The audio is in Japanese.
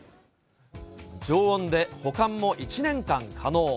常温で保管も１年間可能。